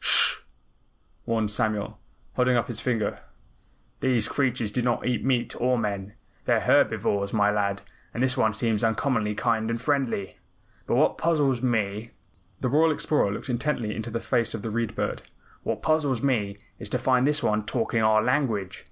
"Sh hh!" warned Samuel, holding up his finger. "These creatures do not eat meat or men. They're herbivorous, my lad, and this one seems uncommonly kind and friendly. But what puzzles me " the Royal Explorer looked intently into the face of the Read Bird. "What puzzles me is to find this one talking our language.